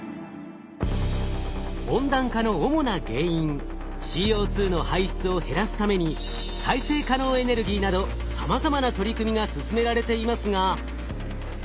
温暖化の主な原因ＣＯの排出を減らすために再生可能エネルギーなどさまざまな取り組みが進められていますが。